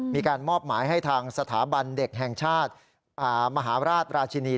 มีการมอบหมายให้ทางสถาบันเด็กแห่งชาติมหาราชราชินี